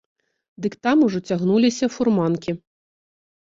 Дык там ужо цягнуліся фурманкі.